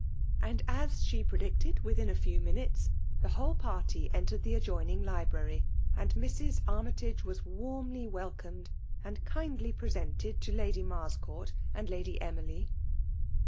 And, as she predicted, within a few minutes the whole party entered the adjoining library ; and Mrs. Armytage was warmly welcomed and kindly presented to Lady Marscourt and Lady Emily.